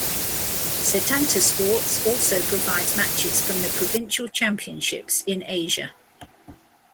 Setanta Sports also provides matches from the Provincial championships in Asia.